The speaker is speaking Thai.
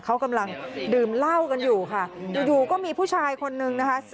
เขากำลังดื่มเหล้ากันอยู่ค่ะอยู่ก็มีผู้ชายคนนึงนะคะ